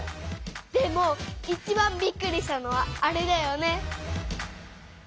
でもいちばんびっくりしたのはあれだよね。